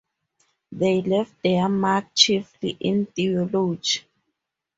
They left their mark chiefly in theology.